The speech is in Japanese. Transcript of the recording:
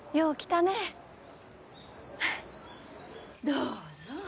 どうぞ。